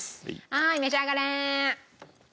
はい召し上がれ。